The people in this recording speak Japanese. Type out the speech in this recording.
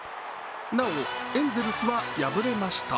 なお、エンゼルスは敗れました。